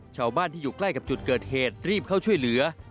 ชาวบ้านที่อยู่ใกล้กับจุดเกิดเหตุรีบเข้าช่วยเหลือ